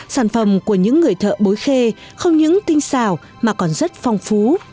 sản phẩm của những người thợ bối khê không những tinh xào mà còn rất phong phú